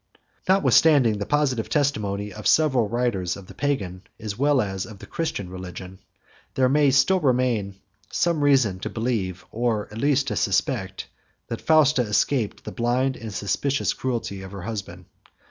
26 Notwithstanding the positive testimony of several writers of the Pagan as well as of the Christian religion, there may still remain some reason to believe, or at least to suspect, that Fausta escaped the blind and suspicious cruelty of her husband.